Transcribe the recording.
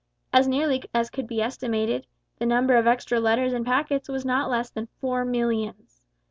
As nearly as could be estimated, the number of extra letters and packets was not less than four millions.